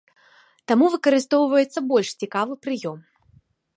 Таму выкарыстоўваецца больш цікавы прыём.